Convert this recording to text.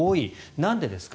なんでですか。